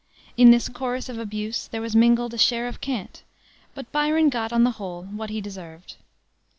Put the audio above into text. In this chorus of abuse there was mingled a share of cant; but Byron got, on the whole, what he deserved.